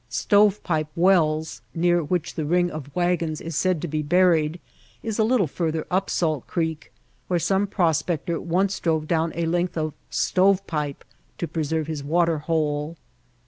Stove Pipe Wells, near which the ring of wagons is said to be buried, is a little further up Salt Creek where some prospector once drove down a length of Stove Pipe to preserve his water hole.